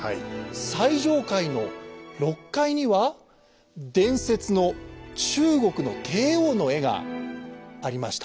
最上階の６階には伝説の中国の帝王の絵がありました。